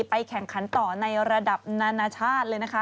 ไปแข่งขันต่อในระดับนานาชาติ